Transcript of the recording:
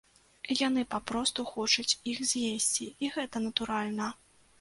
Яны папросту хочуць іх з'есці, і гэта натуральна.